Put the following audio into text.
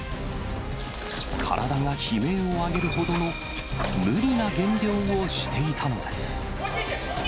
体が悲鳴を上げるほどの、無理な減量をしていたのです。